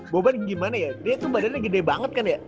boban gimana ya dia tuh badannya gede banget kan ya